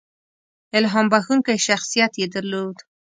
• الهام بښونکی شخصیت یې درلود.